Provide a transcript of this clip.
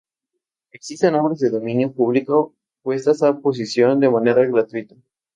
Existen obras de dominio público puestas a disposición de manera gratuita.